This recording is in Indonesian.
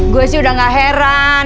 gue sih udah gak heran